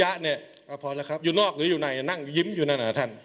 ถ้าประธานท่านสุริยะเนี่ยอยู่นอกหรืออยู่ในนั่งยิ้มอยู่นั่นหรอท่าน